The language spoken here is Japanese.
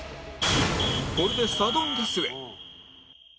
これでサドンデスへ